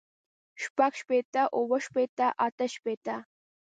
شپږ شپېته اووه شپېته اتۀ شپېته